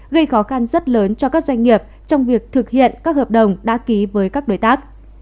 gây khó khăn rất lớn cho các doanh nghiệp trong việc thực hiện các hợp đồng đã ký với các đối tác